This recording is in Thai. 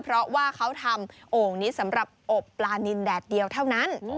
เพราะว่าเขาทำโอ่งนี้สำหรับอบปลานินแดดเดียวเท่านั้น